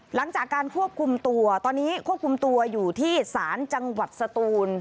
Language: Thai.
หลังจากการควบคุมตัวตอนนี้ควบคุมตัวอยู่ที่ศาลจังหวัดสตูน